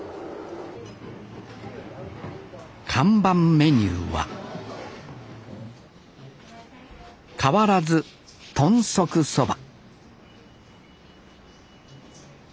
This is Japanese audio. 看板メニューは変わらず豚足そば。